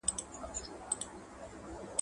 تاسي په خاطر د پلار دا ټول کالي ومینځل.